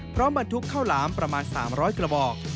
พร้อมบันทุกข้าวหลามประมาณ๓๐๐กระบอก